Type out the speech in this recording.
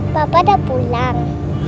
papa udah pulang